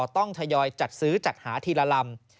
ทยอยจัดซื้อจัดหาทีละลำ